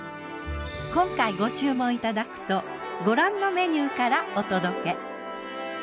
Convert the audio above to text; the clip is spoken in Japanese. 今回ご注文いただくとご覧のメニューからお届け。